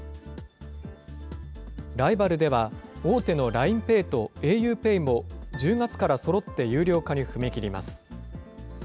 ライバルでは、大手のＬＩＮＥＰａｙとａｕＰＡＹも、１０月からそろって有料化に踏み切ります。